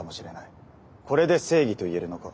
これで正義といえるのか？